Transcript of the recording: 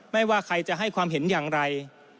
ไม่ว่าใครจะให้ความเห็นอย่างไร